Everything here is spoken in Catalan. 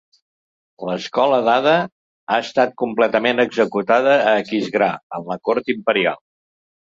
L'escola d'Ada ha estat completament executada a Aquisgrà, en la cort imperial.